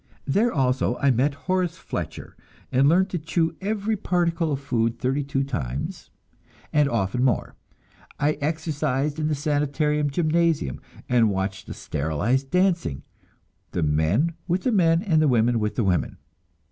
There also I met Horace Fletcher, and learned to chew every particle of food thirty two times, and often more. I exercised in the Sanitarium gymnasium, and watched the sterilized dancing the men with the men and the women with the women.